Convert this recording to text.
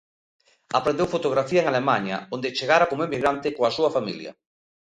Aprendeu fotografía en Alemaña onde chegara como emigrante coa súa familia.